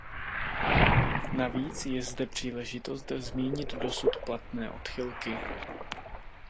Navíc je zde příležitost zmínit dosud platné odchylky.